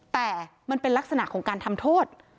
แต่มันเป็นลักษณะของการทำโทษ